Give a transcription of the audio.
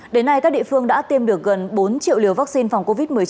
đến nay các địa phương đã tiêm được gần bốn triệu liều vaccine phòng covid một mươi chín